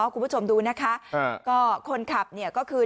คุณผู้ชมดูนะคะก็คนขับเนี่ยก็คือ